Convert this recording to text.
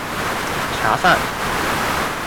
恰饭